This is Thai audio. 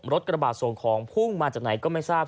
กระบาดส่งของพุ่งมาจากไหนก็ไม่ทราบ